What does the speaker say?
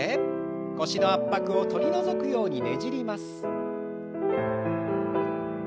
腰の圧迫を取り除くようにねじります。